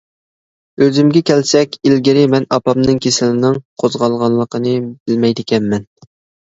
ئۆزۈمگە كەلسەك، ئىلگىرى مەن ئاپامنىڭ كېسىلىنىڭ قوزغالغانلىقىنى بىلمەيدىكەنمەن.